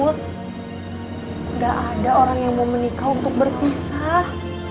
tidak ada orang yang mau menikah untuk berpisah